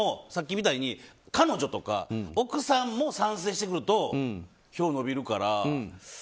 さっきみたいに彼女とか奥さんも賛成してくると票が伸びるから。